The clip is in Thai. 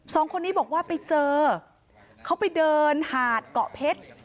สองคนนี้บอกว่าไปเจอเขาไปเดินหาดเกาะเพชร